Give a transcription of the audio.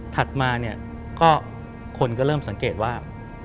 ถัดมาคนก็เริ่มสังเกตว่า